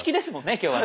今日はね。